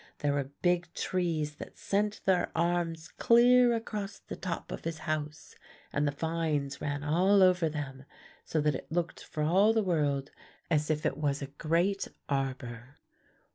There were big trees that sent their arms clear across the top of his house, and the vines ran all over them, so that it looked for all the world as if it was a great arbor.